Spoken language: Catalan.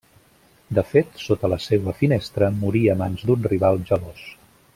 De fet sota la seua finestra morí a mans d'un rival gelós.